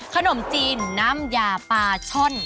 ขนมจีนน้ำยาปลาช่อน